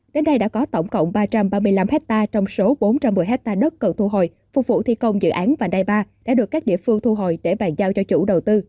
đến nay đã có tổng cộng ba trăm ba mươi năm hectare trong số bốn trăm một mươi hectare đất cần thu hồi phục vụ thi công dự án vành đai ba đã được các địa phương thu hồi để bàn giao cho chủ đầu tư